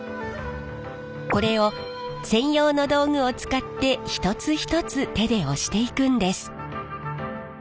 これを専用の道具を使って一つ一つ手で押していくんです。